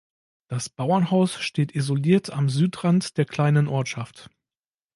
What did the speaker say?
Das Bauernhaus steht isoliert am Südrand der kleinen Ortschaft.